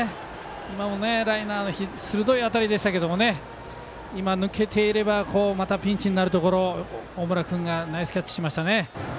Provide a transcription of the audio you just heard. ライナーの鋭い当たりでしたけど今、抜けていればピンチになるところ大村君がナイスキャッチしました。